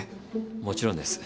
もちろんです。